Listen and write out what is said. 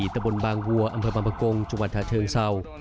ตะบนบางหัวอำเภอบำปะกงจุงวันถ้าเทิงเศร้า